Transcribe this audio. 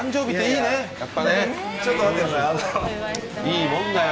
いいもんだよ。